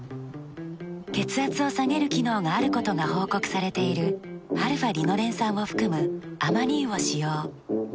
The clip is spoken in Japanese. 血圧を下げる機能があることが報告されているαーリノレン酸を含むアマニ油を使用。